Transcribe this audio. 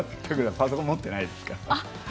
パソコン持ってないですから。